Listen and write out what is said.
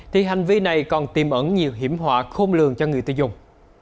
thì hành vi này còn tiêm ẩn nhiều hiểm họa khôn lường cho người tiêu dùng